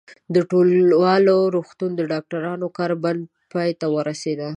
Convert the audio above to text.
د ټولوال روغتون د ډاکټرانو کار بندي پای ته ورسېده.